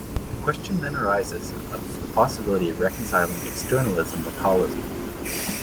The question then arises of the possibility of reconciling externalism with holism.